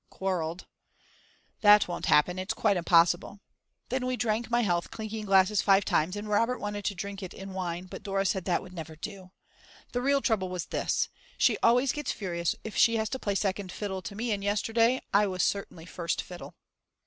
_ quarrelled. That won't happen, it's quite impossible! Then we drank my health clinking glasses five times and Robert wanted to drink it in wine but Dora said that would never do! The real trouble was this. She always gets furious if she has to play second fiddle to me and yesterday I was certainly first fiddle.